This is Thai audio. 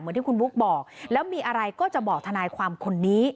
ที่คุณบุ๊คบอกแล้วมีอะไรก็จะบอกทนายความคนนี้